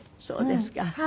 そうですか。